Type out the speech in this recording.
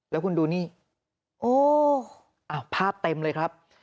แล้วคุณดูนี่โอ้ภาพเต็มเลยครับ